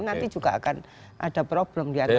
nanti juga akan ada problem diantara relawan